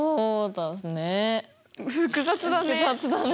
複雑だね。